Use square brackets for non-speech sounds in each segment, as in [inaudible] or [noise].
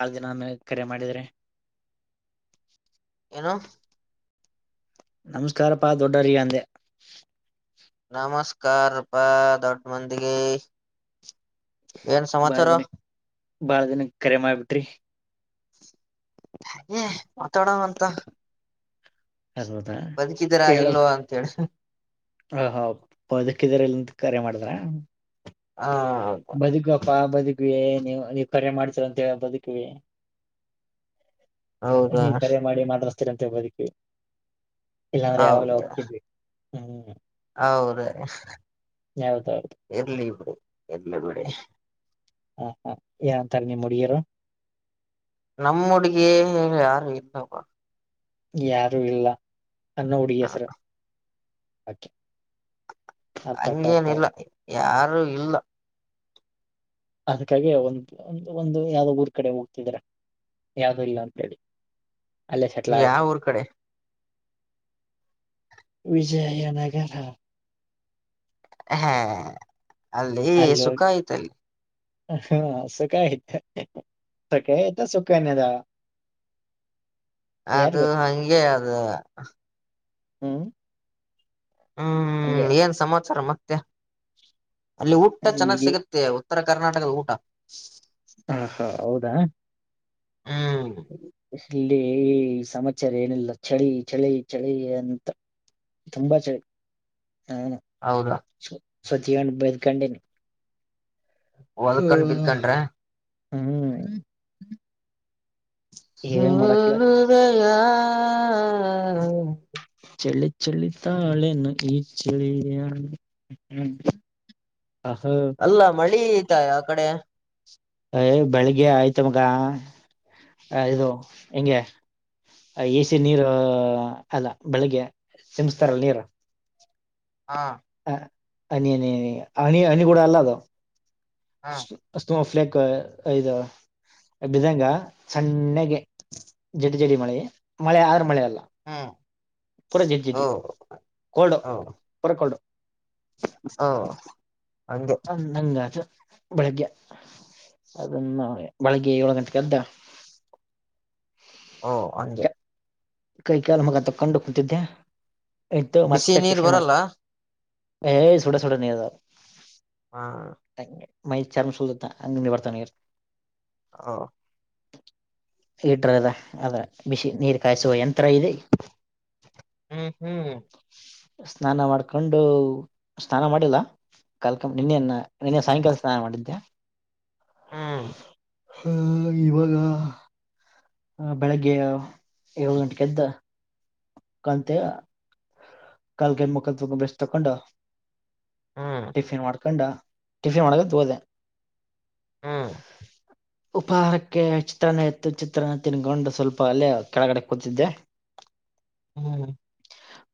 ಬಾಳ ದಿನ ಆಮೇಲೆ ಕರೆ ಮಾಡಿದ್ರೆ ಏನು ನಮಸ್ಕಾರಪ್ಪಾ ದೊಡ್ಡವರಿಗೆ ನಮಸ್ಕಾರಪ್ಪಾ ದೊಡ್ಡ ಮಂದಿಗೆ ಏನ್ ಬಾಳ ಸಮಾಚಾರ ದಿನ ಬಾಳ ದಿನಕ್ಕ ಕರೆ ಮಾಡಬಿಟ್ರಿ ಹಾಗೆ ಮಾತಾಡಂಗ ಅಂತ ಹೌದಾ ಬದುಕಿದರಾ ಇಲ್ಲೋ ಅಂತ ಹೇಳಿ ಹ ಹ ಬದಕ್ಕಿದ್ರ ಇಲ್ಲಂತ ಕರೆ ಮಾಡಿದ್ರ ಹಾ ಹೌದು ಬದುಕಿವಪ್ಪ ಬದುಕಿವಿ ನೀವು ನೀವ್ ಕರೆ ಮಾಡ್ಸೀರಂತ ಹೇಳ ಬದುಕಿವಿ ಹೌದಾ ನೀವು ಕರೆ ಮಾಡಿ ಮಾತಾಡುಸತ್ತೀರಿ ಅಂತ ಬದ್ಕಿವಿ ಇಲ್ಲಾಂದ್ರೆ ಯಾವಾಗಲ ಹೌದ ಹೋಗ್ತಿದ್ವಿ ಹ್ಮ್ ಹೌದ ಯಾವ್ದೌದು ಇರ್ಲಿ ಬಿಡಿ ಇರ್ಲಿ ಬಿಡಿ ಹ ಹಾ ಏನ್ ಅಂತರ ನಿಮ್ಮ್ ಹುಡುಗಿಯರು ನಮ್ಮ ಹುಡುಗಿ ಯಾರು ಇಲ್ಲ ಪಾ ಯಾರು ಇಲ್ಲ ಸಣ್ಣ ಹುಡುಗಿ ಹೆಸರು ಆಕೆ ಹಂಗೇನಿಲ್ಲ ಯಾರು ಇಲ್ಲ ಅದ್ಕಗಿ ಒಂದು ಒಂದು ಒಂದು ಯಾವ್ದೋ ಊರ್ ಕಡೆ ಹೋಗ್ತಿದ್ರ ಯಾವ್ದು ಇಲ್ಲ ಅಂತೇಳಿ. ಅಲ್ಲೇ ಸೆಟ್ಲ ಆಗಕ್ಕೆ. ಯಾವ ಊರ್ ಕಡೆ ವಿಜಯನಗರ ಹಾ ಅಲ್ಲಿ ಸುಖ ಆಯ್ತಲ್ಲಿ. ಹಾ ಅ ಸುಖ ಆಯ್ತೆ. ತೆಕೈತ ಸುಖನ್ಯದ. ಅದು ಗೊತ್ತು ಹಂಗೆ ಅದ. ಹ್ಮ್ ಹ್ಮ್ ಹಂಗೆ ಏನ್ ಸಮಾಚಾರ ಮತ್ತೆ. ಅಲ್ಲಿ ಊಟ ಈಗ ಚೆನ್ನಾಗ್ ಸಿಗತ್ತೆ ಉತ್ತರ ಕರ್ನಾಟಕದ ಊಟ. ಹಾ ಹಾ ಹೌದಾ. ಹ್ಮ ಇಲ್ಲಿ ಈ ಸಮಾಚಾರ ಏನಿಲ್ಲ ಚಳಿ ಚಳಿ ಚಳಿ ಅಂತ. ತುಂಬಾ ಚಳಿ ಹ. ಹೌದಾ ಸತಿಯನ್ ಬೈದ್ಕಂಡಿನಿ ಹೊಲ್ಕೊಂಡ್ ಹ. ಬಿದ್ಕೊಂಡ್ರ ಹ್ಮ ಸ ಏನ್ ಮಾಡಕ್ಕಿಲ್ಲ ಹೃದಯ ಆ ಅ ಅ. ಚಳ್ಳಿ ಚಳಿ ತಾಳೇನು ಈ ಚಳಿಯ ಹ್ಮ್. ಆ ಹಾ. ಅಲ್ಲ ಮಳಿ ಇತ ಆ ಕಡೆ. ಅಯ್ ಬೆಳಿಗ್ಗೆ ಆಯ್ತು ಮಗ ಇದು ಹಿಂಗೆ. ಎಸಿ ನೀರು ಅಲ್ಲ ಬೆಳಿಗ್ಗೆ ಸಿಮ್ಸ್ತಾರಲ್ಲ ನೀರು. ಹಾಂ ಹ ಹನಿ ಅನಿ ಹಣಿ ಹನಿ ಕೂಡ ಅಲ್ಲ ಅದು. ಹಾ ಅಷ್ಟು ಫ್ಲಕ್ ಅ ಐದು. ಬಿದಂಗ್ ಸಣ್ಣಗೆ ಜಡಿ ಜಡಿ ಮಳೆ ಮಳೆ ಆದ್ರ ಮಳೆ ಅಲ್ಲ. ಹ್ಮ್ ಪೂರ ಜಡ್ ಓ ಜಿಡ್ಡಿ ಕೊಲ್ಡು ಪುರ ಕೊಲ್ಡು. ಹ್ಮ್ ಹಂಗೆ. ಹ ನಂಗ ಅದು ಬೆಳಿಗ್ಗೆ ಅದನ್ನ ಬೆಳಗ್ಗೆ ಯೊಳ್ ಗಂಟೆಗೆ ಎದ್. ಓ ಹಂಗೆ. ಕ- ಕೈ ಕಾಳ್ ಮಗ ತಕೊಂಡು ಕುೂತಿದ್ದೆ ಇತ ಬಿಸಿ ಮತ್ತೆ ನೀರ್ ಟಿಫಿನ್ ಮಾಡ್ಕ. ಬರಲ್ಲ ಏ ಸುಡ ಸುಡ ನೀದ. ಹಾ ಮೈ ಚರ್ಮ ಸೋಲ್ದ ಹಂಗ್ ಬರ್ತಾ ನಿ. ಹೊ. ಇಟ್ರದ ಅದ ಬಿಶಿ ನೀರ್. ಕಾಯಿಸುವ ಯಂತ್ರ ಇದೆ. ಹ್ಮ್ ಹ್ಮ್. ಸ್ನಾನ ಮಾಡ್ಕೊಂಡು ಸ್ನಾನ ಮಾಡಿಲ್ಲ. ಕಾಲ್ಕಂ ನಿನ್ನೆ ನಿನ್ನೆ ಸಾಯಂಕಾಲ ಸ್ನಾನ ಮಾಡಿದ್ದೆ. ಹ್ಮ್ ಹ ಇವಾಗ ಬೆಳಗ್ಗೆ ಯೋಳ್ ಗಂಟೆಗ್ ಎದ್ ಕಂತೆ ಕಲ್ಗೈ ಮುಖದ್ ಬೇಸ್ ತಕೊಂಡ. ಹ್ಮ್ ಟಿಫಿನ್ ಮಾಡ್ಕೊಂಡ್ ಟಿಫಿನ್ ಮಾಡಕಂತ ಹೊದೆ. ಹ್ಮ ಉಪಹಾರಕ್ಕೆ ಚಿತ್ರಾನ್ನ ಇತ್ತು ಚಿತ್ರಾನ್ನ ತಿನ್ಕೊಂಡು ಸ್ವಲ್ಪ ಅಲ್ಲೇ ಕೆಳ್ಗಡೆ ಕೂತಿದ್ದೆ. ಹ್ಮ್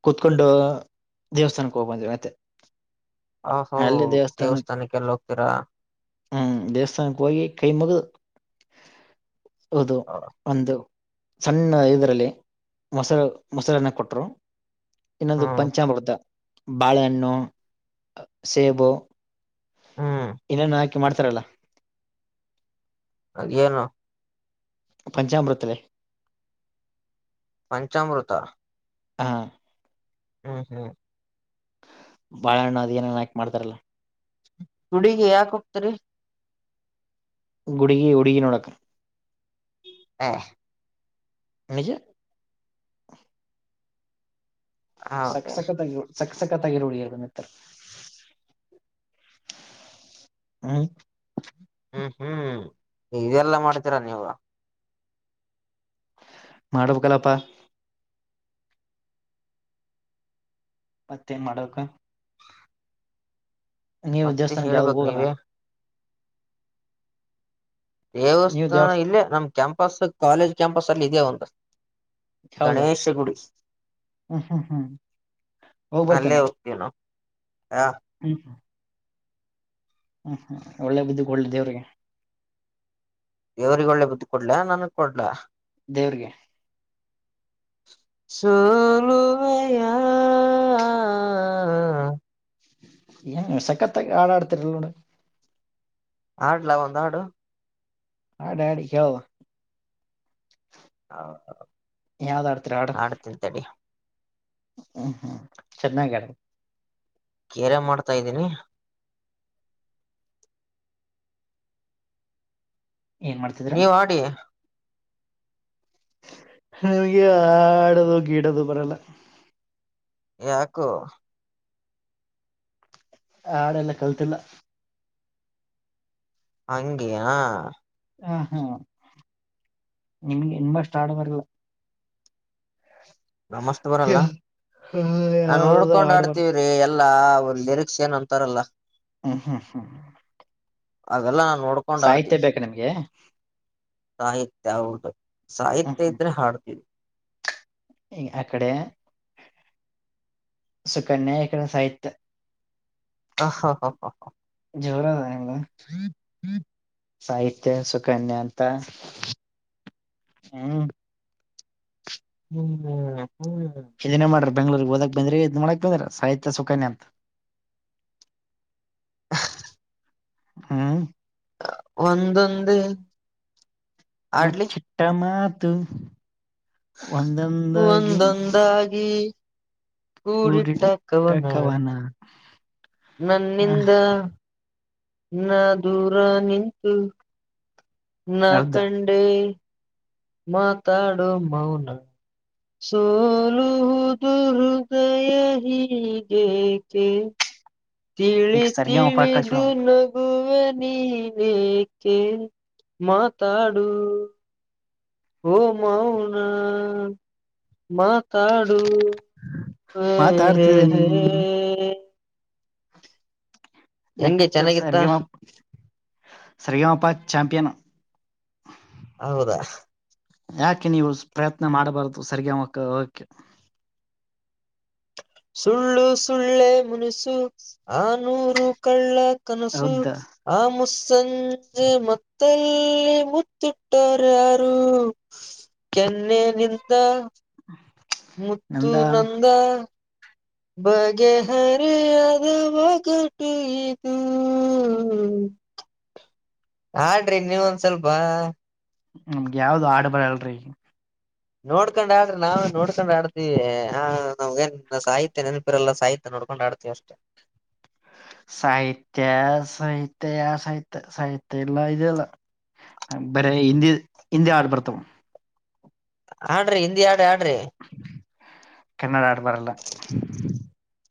ಕುೂತ್ಕೊಂಡು ದೇವಸ್ಥಾನಕ್ಕೆ ಹೋಗ್ಬಂದ್ವಿ ಮತ್ತೆ. ಅ ಹೋ ಅಲ್ಲಿ ದೇವಸ್ಥಾನ ದೇವಸ್ಥಾನಕ್ಕೆ ಎಲ್ಲ ಹೋಗ್ತೀರಾ. ಹ್ಮ್ ದೇವಸ್ಥಾನಕ್ಕೆ ಹೋಗಿ ಕೈಮಗು ಹೌದ. ಒಂದು ಸಣ್ಣ ಇದರಲ್ಲಿ ಮೊಸ ಮೊಸಾಲನ ಕೊಟ್ಟರು [unintelligible] ಇನ್ನೊಂದು ಹ್ಮ್ ಪಂಚಾಮೃತ ಬಾಳೆಹಣ್ಣು ಸೇಬು - ಹ್ಮ್ ಇನ್ನೇನು ಹಾಕೆ ಮಾಡ್ತಾರಲ್ಲ. ಅದ ಏನು. ಪಂಚಾಮೃತ. ಪಂಚಾಮೃತ. ಹ ಹ್ಮ್ ಹ್ಮ್. ಬಾಳಣ್ಣ ಅ ನನ್ಾಕಕ್ ಮಾಡತಾರಲ್ಲ. ಗುಡಿಗೆ ಯಾಕ ಹೋಗ್ತರಿ. ಗುಡುಗಿ ಹುಡುಗಿ ನೋಡಕ. ಹ. ನಿಜ. ಹೌದ ಸಕ್ಕ ಸಕ್ಕತ್ಗ ಯು. ಸಕ್ಕ ಸಕ್ಕತ್ತಾಗಿರು ಉಡಿಿಯರ್ ನತ್ತ ಹ್ಮ್. ಹ್ಮ್ ಹ್ಮ್್ಮ್ ಇದೆಲ್ಲಾ ಮಾಡ್ತೀರಾ ನೀವು. ಮಾಡ್ಬೇಕಲ್ಲಪ್ಪಾ. ಮತ್ತೇನ್ ಮಾಡಕ್ಕ ನೀವು ಮತ್ತೆ ದೇವಸ್ಥಾನಕ್ಕೆ ಯಾವ್ದ ಹೇಳ್ಬೇಕ್ ಹೋಗಲ್ಲ. ನೀವೇ ನೀವು ದೇವಸ್ಥಾನ ದೇವಸ್ ಇಲ್ಲೇ ನಮ್ ಕ್ಯಾಂಪಸ್ ಕಾಲೇಜ್ ಕ್ಯಾಂಪಸ್ ಅಲ್ಲಿ ಇದೆ ಒಂದು. ಹೌದಾ ಗಣೇಶ ಗುಡಿ ಹ್ಮ್ ಹ್ಮ್ ಹ್ಮ್ ಹೋಗ್ ನಲ್ಲೆ. ಏನು ಹಾ. ಹ್ಮ. ಹ್ಮ್ ಹ್ಮ್ ಒಳ್ಳೆ ಬುದಿದ್ದಿಕ್ ಒಳ್ಳೆ ದೇವ್ರಿಗೆ. ದೇವ್ರಿಗೆ ಒಳ್ಳೆ ಬದು ಕೊಡ್ಲ ನನ್ಗ್ ಕೊಡ್ಲ. ದೇವ್ರಗೆ. ಸೋಲುವೆಯ. ಯ ಸಕ್ಕತ್ತಾಗಿ ಹಾಡತ್ತಿರ ನೋಡು. ಹಾಡ್ಲಾ ಒಂದ್ ಹಾಡು. ಹಾಡಿ ಹಾಡಿ ಹ. ಹ ಯಾವ್ದ್ ಆಡ್ತಿರ ಹಾಡು ಆಡ್ ತಿನಿ ತಡಿ. ಹ್ಮ್ ಹ್ಮ್ ಚೆನ್ನಾಗ ಹಾಡು. ಕೇರೆ ಮಾಡ್ತಾ ಇದ್ದೀನಿ. ಏನ್ ಮಾಡ್ತಿದ್ರ ನೀವ ಆಡಿ. ಗಿಡದು ಬರಲ್ಲ. ಯಾಕೋ. ಹಾಡೆ ಎಲ್ಲ ಕಲ್ತಿಲ್ಲ ಹಂಗೆಯ. ಹ ಹಾ ನಿಮಗೆ ಇನ್ಂಬಷ್ಟ ಆಡಬಾರಲ್ಲ. ನಮಸ್ತೆ ಬರಲ್ಲ ಯಾ- ನಾನ್ ಯಾವ್ದಾದ್ರು ನೋಡ್ಕೊಂಡ್ ಆಡ್ ಬರಲ್ಲ ಆಡ್ತೀವಿ. ಎಲ್ಲಾ ಒಂದು ನಿರಿಕ್ಸ ಏನ್ ಅಂತಾರಲ್ಲ. ಹಾ ಹಾ ಹಾ. ಅದೆಲ್ಲಾ ನಾ ನೋಡ್ಕೊಂಡ್ ಆಡ್ತೀವಿಿ. ಬೇಕಾ ನಿಮ್ಗೆ ಸಾಹಿತ್ಯ ಹೌದು ಹ್ಮ್ ಸಾಹಿತ್ಯ ಇದ್ರೆ ಹಾಡ್ತೀವಿ. ಅಕಡೆ ಸುಕನ್ಯ ಇಕಡೆ ಸಾಹಿತ್ಯ. ಹ ಹಾ ಹಾ ಹ ಹಾ. ಜೋರಲ್ಲ. ಸಾಹಿತ್ಯ ಸುಕನ್ಯ ಅಂತ ಹ್ಮ. ಹ್ಮ್್ಮ ಹ್ಮ್. ಇದನ್ನೇ ಮಾಡ್ರ ಬ ಬೆಂಗಗಳೂರಿಗೆ ಹದಕ್ ಬಂದ್ರ ಇ ಇದ ಮಾಡಕ್ ಬಂದ್ರಾರ ಸಾಹಿತ್ಯ ಸುಖಾನ್ಯ ಅಂತ. [inaudible] ಹ್ಮ. ಒಂದೊಂದೆ. ಬಚ್ಚಿಟ್ಟ ಮಾತು ಒಂದೊಂದಾಗಿ. ದಾಗಿ. ಕೂಡಿಟ್ಟ ಕವನ. ಹಾ, ನನ್ನಿಂದ ನಾ ದೂರಾ ನಿಂತು. ನಾ ಹೌದಾ ಕಂಡೇ ಮಾತಾಡೊ ಮೌನಾ. ಸೋಲುವುದು ಹೃದಯ ಹೀಗೆಕೆ. ತಿಳಿ ನೆಕ್ಸ್ಟ್ ಸರ್ಗೆ ಒಪ್ಪ ಕಳ್ಸಿ ತಿಳಿದು ಬಿಡೋಣ ನಗ್. ವೆ ನಿನೇಕೆ ಮಾತಾಡು. ಒ ಮೌನಾ ಮಾತಾಡು. ಹೇ ಹೇ. ಮಾತಾಡ್ತಿದೀನಿ ಹೆಂಗೆ ನೆಕ್ಸ್ಟ್ ಚೆನ್ನಾಗಿತ್ತ ಸರಿಗಮ ಸರಿಗಮಪ ಚಾಂಪಿಯನ್. ಹೌದಾ. ಯಾಕೆ ನೀವು ಪ್ರಯತ್ನ ಮಾಡಬಾರ್ದು ಸರಿಗಮಕ [unintelligible] ಹೂಗಕೆ. ಸುಳ್ಳು ಸುಳ್ಳೆ ಮುನಿಸು ಆ ನೂರು ಕಳ್ಳ. [inaudible] ಹೌದ ಲ್ಲಿ ಮುತ್ತಿಟ್ಟೋರ್ ಯಾರು ಕೆನ್ನೆ ನಿಂದಾ. ಮುತ್ತು ನಂದ ನಂದಾ. ಬಗೆಹರೆಯದ ಒಗಟು ಇದು. ಹಾಡ್ರಿ ನೀವ್ ಒಂದ್ ಸ್ವಲ್ಪ. ನಮ್ಗ್ ಯಾವ್ದು ಹಾಡ್ ಬರಲ್ರಿ. ನೋಡ್ಕೊಂಡ್ ಹಾಡ್ರಿ ನಾವು ನೋಡ್ಕೊಂಡ್ ಹಾಡ್ತೀವಿ ಆ ನಮ್ಗೇನ್ ಸಾಹಿತ್ಯ ನೆನಪಿರಲ್ಲ ಸಾಹಿತ್ಯ ನೋಡ್ಕೊಂಡ್ ಹಾಡ್ತೀವಿ. [inaudible] ಸಾಹಿತ್ಯ ಸಹಿತ್ಯ ಸಾಹಿತ್ ಸಾಹಿತ್ಯ ಇಲ್ಲಾ ಇದ ಇಲ್ಲಾ. ಬರೆ ಹಿಂದಿ ಹಿಂದಿ ಹಾಡ್ ಬರ್ತಾವ್. ಹಾಡ್ರಿ ಹಿಂದಿ ಹಾಡ ಹಾಡ್ರಿ. ಕನ್ನಡ ಹಾಡ್ ಬರಲ್ಲ.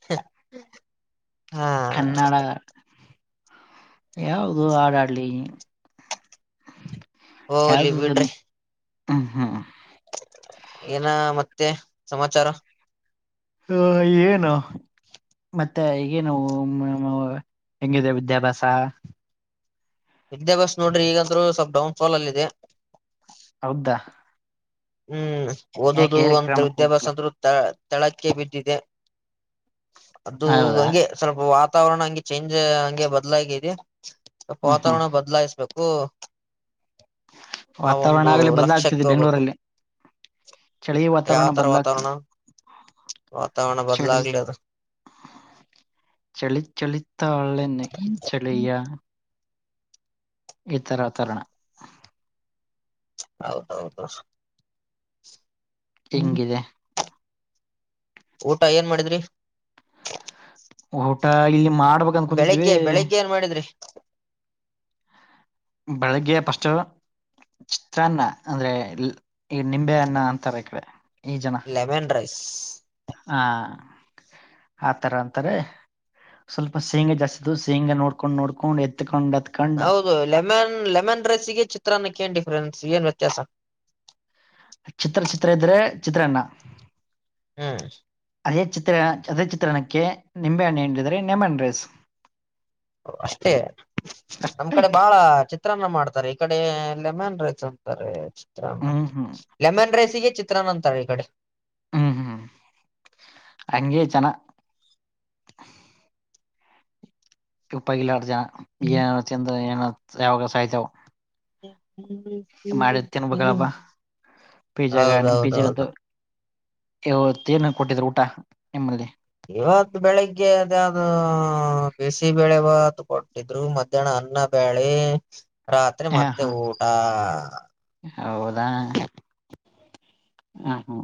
ಹ್ಮ [inaudible] ಕನ್ನಡಾ ಯಾವ್ದು ಹಾಡ ಹಾಡ್ಲಿ. ಹೋಗ್ಲಿ ಹದ ಬಿಡ್ರಿ ನೀ ಹ ಹ್ಮ್. [unintelligible] ಏನ ಮತ್ತೆ ಸಮಚಾರ. ಹ ಏನು. ಮತ್ತೆ ಈಗೇನು [unintelligible] ಹೆಂಗಿದೆ ವಿದ್ಯಾಭ್ಯಾಸಾ. ವಿದ್ಯಾಭ್ಯಾಸ್ ನೋಡ್ರಿ ಈಗ ಅಂತ್ರು ಸ್ವಲ್ಪ್ ಡೌನ್ ಫಾಲ್ ಅಲ್ಲಿದೆ. ಹೌದ್ದಾ. ಹ್ಮ್ ಓದುದು ಏರ್ ಅಂತ ಕ್ರಮಕ್ಕೆ ವಿದ್ಯಾಭ್ಯಾಸ ಹೋಗ್ತಿಲ್ಲ ಅಂತ್ರು ತಾ. ತೆಳಕ್ಕೆ ಬಿದ್ದಿದೆ ಅದು ಹೌದಾ ಹಂಗೆ. ಸ್ವಲ್ಪ ವಾತಾವರಣ ಹಂಗೆ ಚೇಂಜ್ ಹಂಗೆ ಬದ್ಲಾಗಿದೆ ಸ್ವಲ್ಪ ಹ್ಮ್ ಹ್ಮ್ ವಾತಾವರಣ ಬದ್ಲಾಯಿಸ್ಬೇಕು. ಓ ಆ ವಾತಾವರಣ ಒಂದು ಆಗ್ಲಿ ಲಕ್ಷಕ್ ಬದಲಾಗ್ತಿದೆ ತುಗೋಬೇಕು. ಬೆಂಗಳೂರಲ್ಲಿ ಚಳಿ ವಾತಾವರಣ ಯಾವ್ತರ ಬದಲಾಗ್ತಿದೆ ವಾತಾವರಣ ವಾತಾವರಣ ಚಳಿ ಬದಲಾಗಲಿ ಅದ್. ಚಳಿ ಚಳಿ ತಾಳೆನು ಈ ಚಳಿಯಾ. ಈ ತರ ವಾತಾವರಣ. ಹೌದೌದು. ಹ್ಮ್ ಹಿಂಗಿದೆ. ಊಟ ಏನ್ ಮಾಡಿದ್ರಿ. ಊಟ ಇಲ್ಲಿ ಮಾಡ್ಬೇಕ್ ಅಂತಾ ಕುಂತಿದ್ವಿ. ನ್ ಮಾಡಿದ್ರಿ. ಬೆಳಗ್ಗೆ ಪಸ್ಟ್. ಚಿತ್ರಾನ್ನ ಅಂದ್ರೆ ಇಲ್ ನಿಂಬೆ ಅಣ್ಣ ಅಂತಾರ್ ಇಕಡೆ ಈ ಜನ. Lemon rice. ಹಾ ಆತರ ಅಂತರೆ. ಸ್ವಲ್ಪ ಶೇಂಗಾ ಜಸ್ತಿದ್ವು ಶೇಂಗಾ ನೋಡ್ಕೊಂಡ್ ನೋಡ್ಕೊಂಡ್ ಎತ್ಕೊಂಡ್ ಅದ್. ಹೌದು ಲೆಮನ್ ಲೆಮನ್ ರೈಸ್ಗೆ ಚಿತ್ರಾನ್ನಕ್ಕೆ ಏನ್ ಡಿಫ್ರರೆನ್ಸ್ ಏನ್ ವ್ಯತ್ಯಾಸ. ಚಿತ್ರ ಚಿತ್ರ ಇದ್ರೆ ಚಿತ್ರಾನ್ನ. ಹ್ಮ್. ಅದೇ ಚಿತ್ರ ಅದೇ ಚಿತ್ರನಕ್ಕೆ ನಿಂಬೆಹಣ್ ಇಂಡಿದ್ರೆ ನೆಮನ್ ರೈಸ್. ಅಷ್ಟೆ ಅಷ್ಟೇ ನಮ್ಕಡೆ ಬಾಳ ಚಿ. ಚಿತ್ರನ ಮಾಡ್ತಾರೆ ಇಕಡೆ ಲೆಮನ್ ರೈಸ್ ಅಂತರೆ. ಹ್ಮ್ ಹ್ಮ್ ಲೆಮನ್ ರೈಸಿಗೆ ಚಿತ್ರಾನ ಅಂತರೆ ಇಕಡೆ. ಹ್ಮ್ ಹ್ಮ್ ಹಂಗೆ ಜನ. ಉಪಗ್ ಗಿಲಾರ್ ಜನ ಏನೇನ ತಿಂದು ಎನಾ ಯಾವಾಗ ಸೈತಾವ್. [inaudible] ಮಾಡಿದ್ ತಿನ್ಬೇಕಲ್ಲಪ ಪಿಜಾಗ ನಿಮ್ ಹೌದೌದೌದು ಪಿಜಾಗಂತೂ. ಇವತ್ ಏನ್ ಏನ್ ಕೊಟ್ಟಿದ್ರ್ ಊಟ ನಿಮ್ದ್ರಲ್ಲಿ. ಇವತ್ ಬೆಳಿಗ್ಗೆ ಅದ್ ಯಾವ್ದೋ ಬಿಸಿ ಬೆೇಳೆಬಾತ್ ಕೊಟ್. ಕಿಟಿದ್ರು ಮಧ್ಯಾಹ್ನ ಅನ್ನ ಬಾಳಿ ರಾತ್ರಿ ಹಾ ಮತ್ತೆ ಹಾ ಊಟ. ಹೌದಾ ಹ ಹ್ಮ.